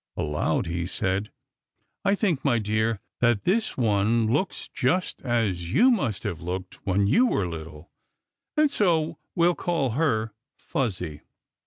Aloud he said: "I think, my dear, that this one looks just as you must have looked when you were little, and so we'll call her Fuzzy.